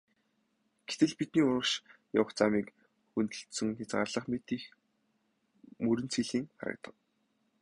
Гэтэл бидний урагш явах замыг хөндөлсөн хязгаарлах мэт их мөрөн цэлийн харагдав.